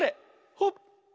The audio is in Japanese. ほっ！